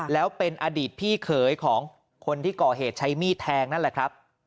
แล้วเป็นอดีตพี่เขยของคนที่ก่อเหตุใช้มีดแทงนั่นแหละครับ